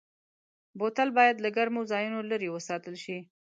بوتل باید له ګرمو ځایونو لېرې وساتل شي.